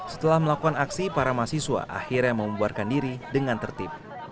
setelah melakukan aksi para mahasiswa akhirnya membuarkan diri dengan tertib